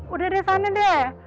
udah deh sana deh